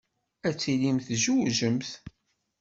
Ad tilimt twejdemt.